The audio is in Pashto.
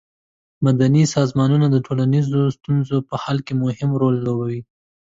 مدني سازمانونه د ټولنیزو ستونزو په حل کې مهم رول لوبوي.